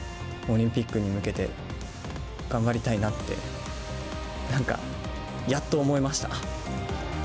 オリンピックに向けて、頑張りたいなって、なんか、やっと思えました。